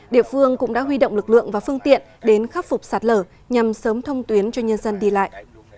địa phương cũng đã huy động lực lượng và phương tiện đến khắc phục sạt lở nhằm sớm thông tuyến cho nhân dân đi lại